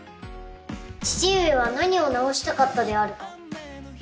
父上は何を治したかったであるか？